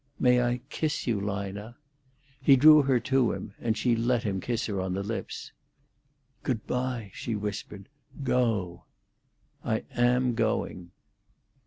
"May I kiss you, Lina?" He drew her to him, and she let him kiss her on the lips. "Good bye," she whispered. "Go—" "I am going."